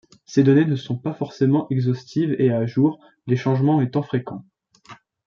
Ces données ne sont pas forcément exhaustives et à jour, les changements étant fréquents.